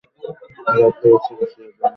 এর অর্থ হচ্ছে "বিশ্বাসীদের নেতা"।